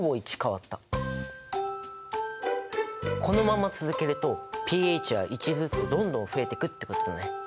このまま続けるとｐＨは１ずつどんどん増えてくってことだね。